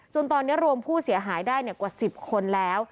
ตอนนี้รวมผู้เสียหายได้กว่า๑๐คนแล้ว